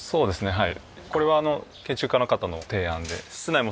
はい。